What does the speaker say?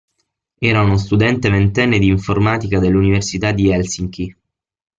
Era uno studente ventenne di informatica dell'università di Helsinki.